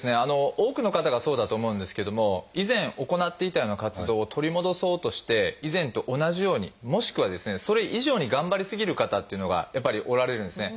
多くの方がそうだと思うんですけども以前行っていたような活動を取り戻そうとして以前と同じようにもしくはですねそれ以上に頑張り過ぎる方っていうのがやっぱりおられるんですね。